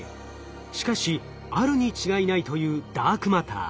しかしあるに違いないというダークマター。